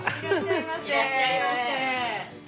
いらっしゃいませ。